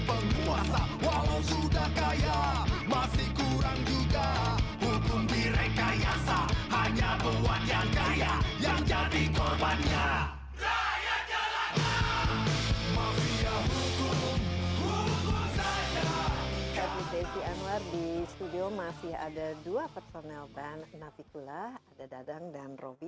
di studio masih ada dua personel band davikula dadang dan robby